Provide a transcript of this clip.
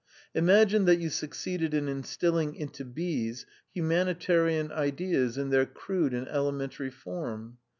Imagine that you succeeded in instilling into bees humanitarian ideas in their crude and elementary form.